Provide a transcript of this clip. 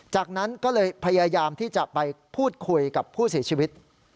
จากนั้นก็เลยพยายามที่จะไปพูดคุยกับผู้เสียชีวิต